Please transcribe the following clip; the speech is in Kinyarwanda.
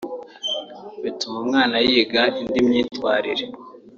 bituma umwana yiga indi myitwarire